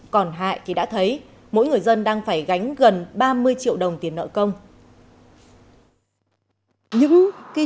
còn hại thì đã thấy mỗi người dân đang phải gánh gần ba mươi triệu đồng tiền nợ công